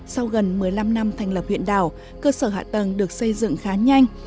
sau gần một mươi năm năm thành lập huyện đảo cơ sở hạ tầng được xây dựng khá nhanh